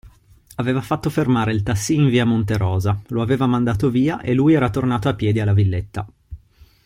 Aveva fatto fermare il tassì in via Monterosa, lo aveva mandato via e lui era tornato a piedi alla villetta.